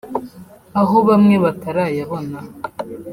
aho bamwe batarayabona